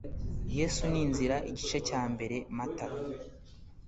yesu ni inzira igice cya mbere mata